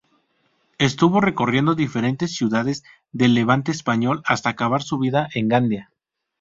Estuvo recorriendo diferentes ciudades del levante español hasta acabar su vida en Gandía.